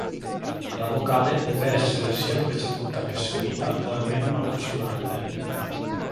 La vocale deve essere sia preceduta che seguita da almeno una consonante.